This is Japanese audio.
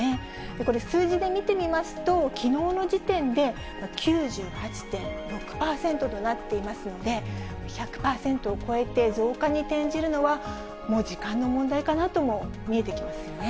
これ、数字で見てみますと、きのうの時点で９８．６％となっていますので、１００％を超えて増加に転じるのは、もう時間の問題かなとも見えてきますよね。